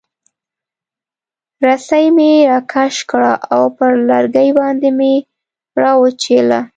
رسۍ مې راکش کړه او پر لرګي باندې مې را وپیچله.